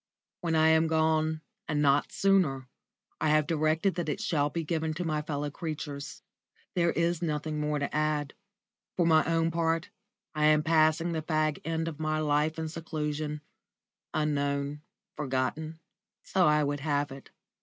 When I am gone, and not sooner, I have directed that it shall be given to my fellow creatures. There is nothing more to add. For my own part, I am passing the fag end of my life in seclusion unknown, forgotten. So I would have it.